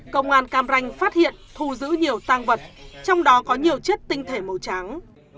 công an cam ranh phát hiện thu giữ nhiều tăng vật trong đó có nhiều chất tinh thể màu trắng